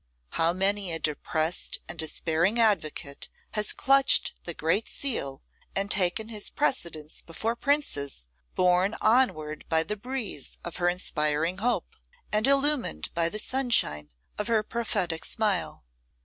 How many a depressed and despairing advocate has clutched the Great Seal, and taken his precedence before princes, borne onward by the breeze of her inspiring hope, and illumined by the sunshine of her prophetic smile!